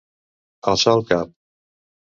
Alçar el cap.